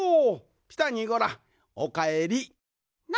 ピタにゴラおかえり。